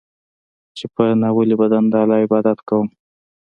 چې په ناولي بدن د الله عبادت کوم.